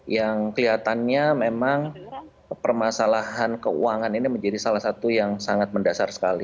yang kelihatannya memang permasalahan keuangan ini menjadi salah satu yang sangat mendasar sekali